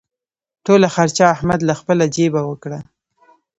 ټوله خرچه احمد له خپلې جېبه وکړه.